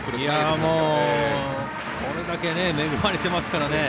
もうこれだけ恵まれてますからね。